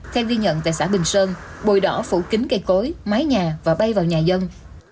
theo ghi nhận tại xã bình sơn bùi đỏ phủ kính cây cối mái nhà và bay vào nhà dân